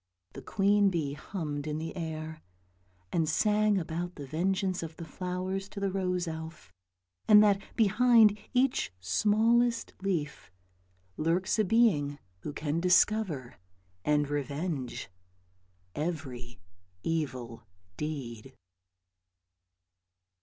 The queen bee hummed in the air, and sang about the vengeance of the flowers to the rose elf, and that behind each smallest leaf lurks a being who can discover and revenge every evil deed.